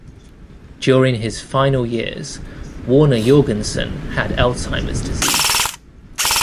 During his final years, Warner Jorgenson had Alzheimer's disease.